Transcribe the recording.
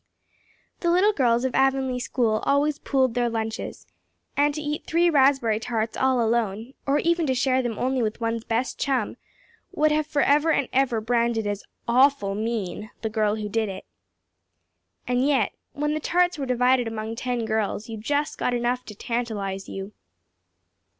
The little girls of Avonlea school always pooled their lunches, and to eat three raspberry tarts all alone or even to share them only with one's best chum would have forever and ever branded as "awful mean" the girl who did it. And yet, when the tarts were divided among ten girls you just got enough to tantalize you.